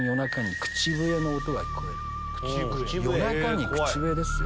夜中に口笛ですよ。